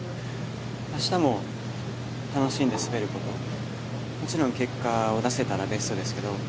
明日も楽しんで滑ることもちろん結果を出せたらベストですけど